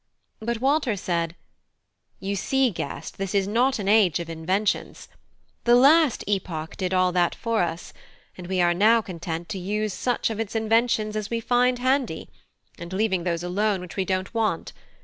But Walter said "You see, guest, this is not an age of inventions. The last epoch did all that for us, and we are now content to use such of its inventions as we find handy, and leaving those alone which we don't want.